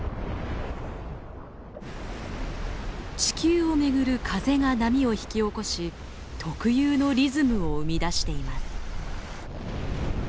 地球を巡る風が波を引き起こし特有のリズムを生み出しています。